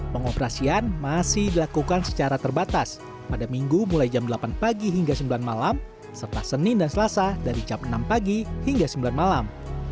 pengoperasian masih dilakukan secara terbatas pada minggu mulai jam delapan pagi hingga sembilan malam serta senin dan selasa dari jam enam pagi hingga sembilan malam